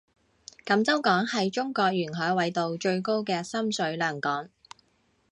锦州港是中国沿海纬度最高的深水良港。